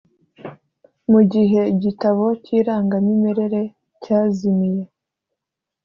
Mu gihe igitabo cy irangamimerere cyazimiye